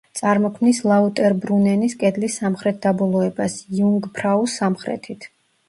წარმოქმნის ლაუტერბრუნენის კედლის სამხრეთ დაბოლოებას, იუნგფრაუს სამხრეთით.